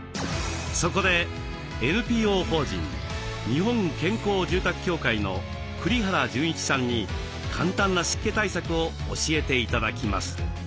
そこでＮＰＯ法人日本健康住宅協会の栗原潤一さんに簡単な湿気対策を教えて頂きます。